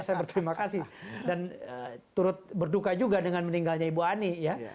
saya berterima kasih dan turut berduka juga dengan meninggalnya ibu ani ya